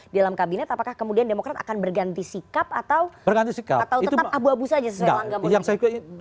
dalam kabinet apakah kemudian demokrat akan berganti sikap atau tetap abu abu saja sesuai langkah politik